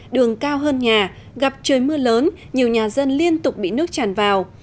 đường cao hơn nhà gặp trời mưa lớn nhiều nhà dân liên tục bị nước tràn vào